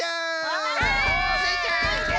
はい！スイちゃん！